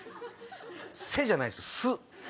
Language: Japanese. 「せ」じゃないです巣。